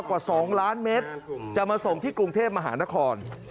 กว่า๒ล้านเมตรจะมาส่งที่กรุงเทพมหานคร